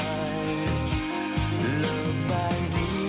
ลบใบนี้ว่าเธอจะก้าวต่อไป